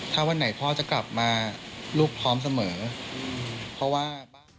ถ้าวันไหนพ่อจะกลับมาลูกพร้อมเสมอเพราะว่าบ้าน